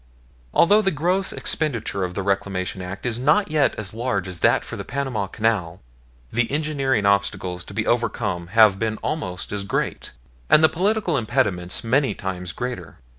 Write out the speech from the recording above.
Although the gross expenditure under the Reclamation Act is not yet as large as that for the Panama Canal, the engineering obstacles to be overcome have been almost as great, and the political impediments many times greater.